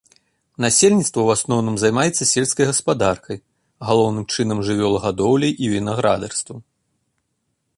Насельніцтва ў асноўным займаецца сельскай гаспадаркай, галоўным чынам жывёлагадоўляй і вінаградарствам.